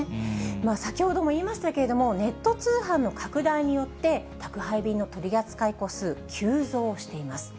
先ほども言いましたけれども、ネット通販の拡大によって、宅配便の取り扱い個数、急増しています。